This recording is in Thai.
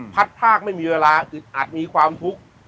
พัดภาคไม่มีเวลาอึดอัดมีความทุกข์